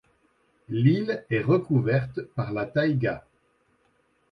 L'île est recouverte par la taïga.